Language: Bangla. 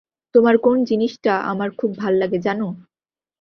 তোমার কোন জিনিসটা আমার খুব ভাল্লাগে, জানো?